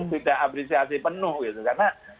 tidak apresiasi penuh gitu karena